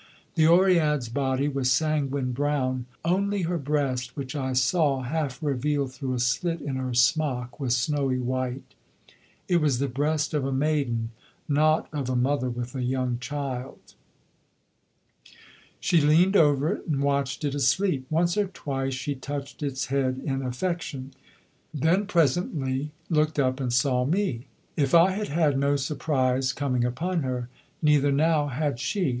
The Oread's body was sanguine brown, only her breast, which I saw half revealed through a slit in her smock, was snowy white. It was the breast of a maiden, not of a mother with a young child. She leaned over it and watched it asleep. Once or twice she touched its head in affection; then presently looked up and saw me. If I had had no surprise coming upon her, neither now had she.